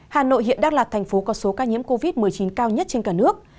hà nội hiện đang là thành phố có số ca nhiễm covid một mươi chín cao nhất trên cả nước